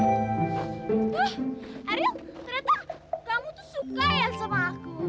tuh ariel ternyata kamu tuh suka ya sama aku